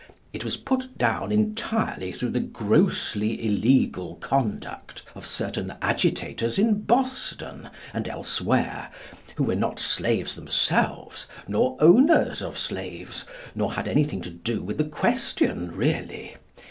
It was put down entirely through the grossly illegal conduct of certain agitators in Boston and elsewhere, who were not slaves themselves, nor owners of slaves, nor had anything to do with the question really.